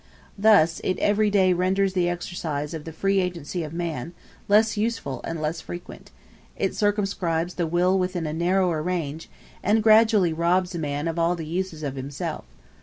Thus it every day renders the exercise of the free agency of man less useful and less frequent; it circumscribes the will within a narrower range, and gradually robs a man of all the uses of himself.